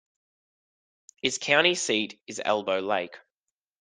Its county seat is Elbow Lake.